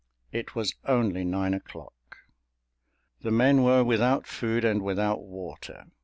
It was only nine o'clock. The men were without food and without water.